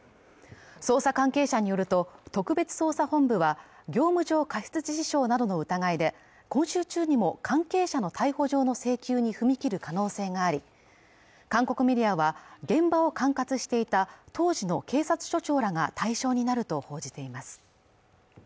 捜査関係者によると特別捜査本部は業務上過失致死傷などの疑いで今週中にも関係者の逮捕状の請求に踏み切る可能性があり韓国メディアは現場を管轄していた当時の警察署長らが対象になると報じています